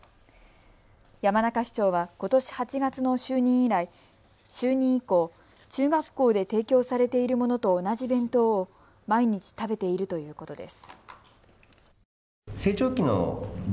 山中市長はことし８月の就任以降、中学校で提供されているものと同じ弁当を毎日食べているということです。